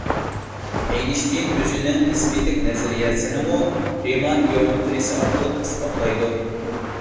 ئېينىشتېين ئۆزىنىڭ نىسپىيلىك نەزەرىيەسىنىمۇ رىمان گېئومېتىرىيەسى ئارقىلىق ئىسپاتلايدۇ.